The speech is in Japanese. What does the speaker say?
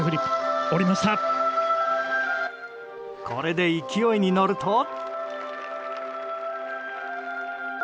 これで勢いに乗ると。